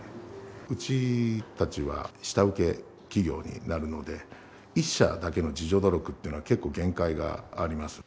うちたちは下請け企業になるので、１社だけの自助努力っていうのは結構限界があります。